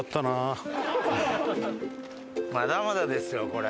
まだまだですよこれ。